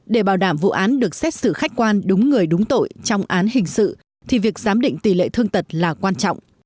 để bảo đảm vụ án được xét xử khách quan đúng người đúng tội trong án hình sự thì việc giám định tỷ lệ thương tật là quan trọng